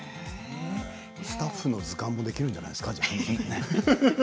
スタッフの図鑑もできるんじゃないですか？